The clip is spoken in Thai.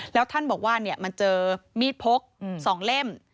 แล้วท่านบอกว่ามันเจอมีดพก๒เล่ม